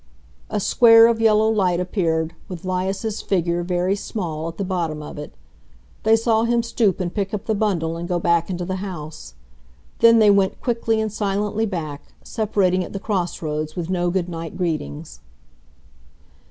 A square of yellow light appeared, with 'Lias's figure, very small, at the bottom of it. They saw him stoop and pick up the bundle and go back into the house. Then they went quickly and silently back, separating at the cross roads with no good night greetings.